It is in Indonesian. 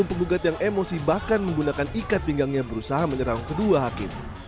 penggugat yang emosi bahkan menggunakan ikat pinggangnya berusaha menyerang kedua hakim